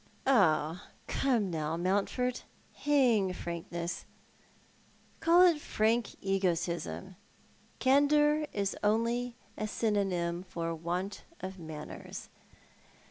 " Oh, come now, Mountford, hang frankness — call it frank egotism. Candour is only a synonym for want of manners.